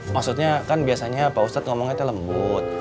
maksudnya kan biasanya pak ustadz ngomongnya itu lembut